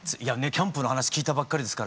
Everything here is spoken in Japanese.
キャンプの話聞いたばっかりですからね